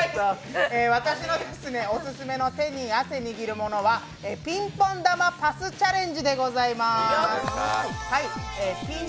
私のオススメの手に汗握るものは、ピンポン玉パスチャレンジでございます。